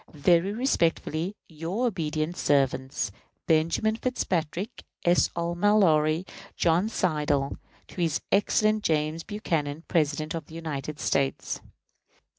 Very respectfully, your obedient servants, BENJAMIN FITZPATRICK, S. R. MALLORY, JOHN SLIDELL. To his Excellency James Buchanan, President United States.